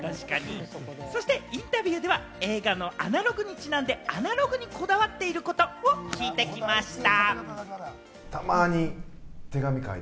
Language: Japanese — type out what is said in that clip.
インタビューでは、映画の『アナログ』にちなんでアナログにこだわっていることを聞いてきました。